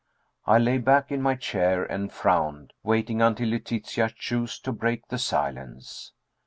I lay back in my chair and frowned, waiting until Letitia chose to break the silence.